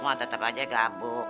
mau tetep aja gabuk